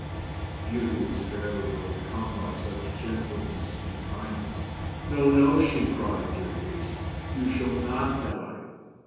Beauty was fairly overcome by so much gentleness and kindness. "No! no!" she cried, "dear Beast, you shall not die.